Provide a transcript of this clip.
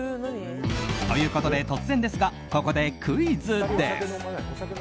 ということで、突然ですがここでクイズです。